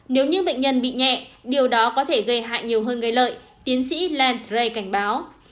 nếu như bệnh nhân bị nhẹ điều đó có thể gây hại nhiều hơn gây lợi tiến sĩ landray cảnh báo